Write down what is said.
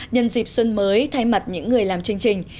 nhân dịp xuân mới thay mặt những người làm chương trình